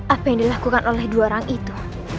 apa yang dilakukan oleh dua orang itu